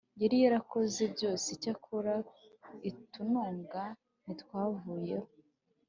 yari yarakoze byose Icyakora utununga ntitwavuyeho